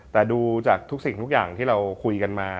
แต่ดูจากทุกสิ่งทุกอย่างที่เราคุยกันมา